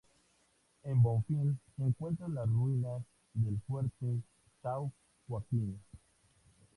En Bonfim se encuentran las ruinas del Fuerte São Joaquim.